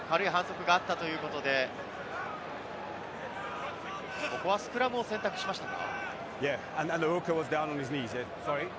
軽い反則があったということで、ここはスクラムを選択しましたか。